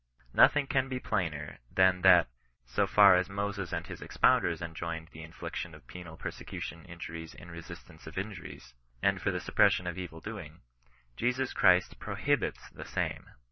Nothing can be plainer, than that, so far as Moses and his expounders enjoined the in fliction of penal personal injuries in resistance of injuries, and for the suppression of evil doing, Jesus Christ pro hibits the same.